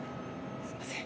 すいません。